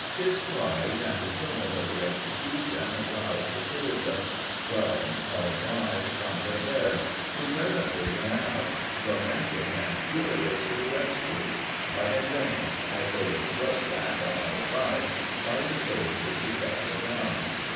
His cries and the tumult of the execution roused the citizens, dwelling hard by, from their beds, who presently ran up lamenting and furious to the rescue; but, in vain; as they were thrust back on all sides by the soldiers who kept the ground.